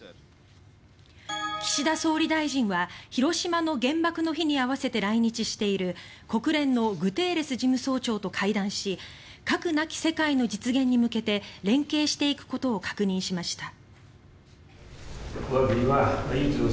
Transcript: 岸田総理大臣は広島の原爆の日に合わせて来日している国連のグテーレス事務総長と会談し核なき世界の実現に向けて連携していくことを確認しました。